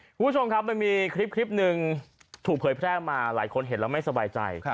คุณผู้ชมครับมันมีคลิปหนึ่งถูกเผยแพร่มาหลายคนเห็นแล้วไม่สบายใจ